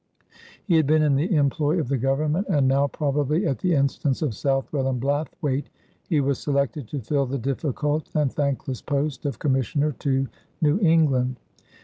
He had been in the employ of the government, and now, probably at the instance of Southwell and Blathwayt, he was selected to fill the difficult and thankless post of commissioner to New England.